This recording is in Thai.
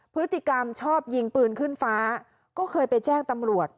พฤติกรรมชอบยิงปืนขึ้นฟ้าก็เคยไปแจ้งตำรวจ